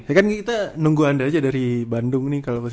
ya kan kita nunggu anda aja dari bandung nih kalau pas ini